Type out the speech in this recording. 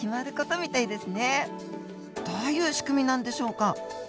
どういう仕組みなんでしょうか。